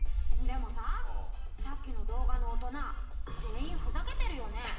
でもささっきの動画の大人全員ふざけてるよね。